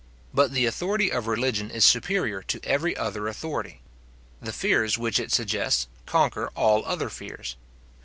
But the authority of religion is superior to every other authority. The fears which it suggests conquer all other fears.